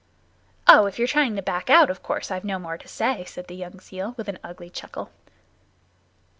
"Oh, if you're trying to back out, of course I've no more to say," said the young seal with an ugly chuckle.